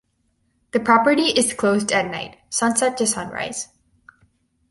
The property is closed at night (sunset to sunrise).